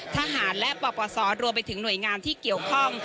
ทหารและปปศรวมไปถึงหน่วยงานที่เกี่ยวข้อง